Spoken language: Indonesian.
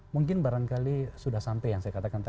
mungkin barangkali sudah sampai yang saya katakan tadi